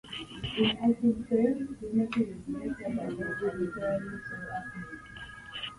In acid soils, these materials react as a base and neutralize soil acidity.